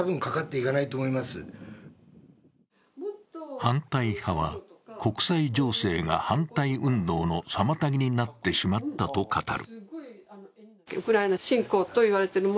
反対派は、国際情勢が反対運動の妨げになってしまったと語る。